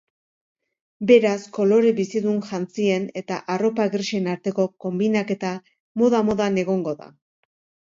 Beraz, kolore bizidun jantzien eta arropa grisen arteko konbinaketa moda-modan egongo da.